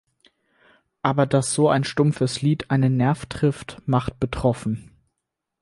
Aber dass so ein stumpfes Lied einen Nerv trifft, macht betroffen.